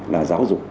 là giáo dục